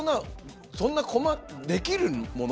そんな細かくできるもの？